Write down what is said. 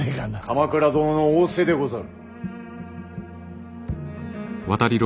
鎌倉殿の仰せでござる。